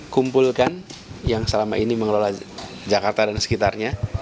kumpulkan yang selama ini mengelola jakarta dan sekitarnya